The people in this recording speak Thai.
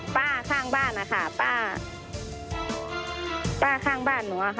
ป้าข้างบ้านนะคะป้าป้าข้างบ้านหนูอะค่ะ